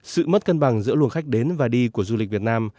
sự mất cân bằng giữa luồng khách đến và đi của du lịch việt nam